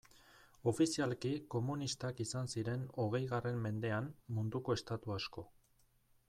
Ofizialki komunistak izan ziren, hogeigarren mendean, munduko estatu asko.